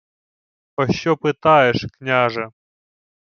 — Пощо питаєш, княже?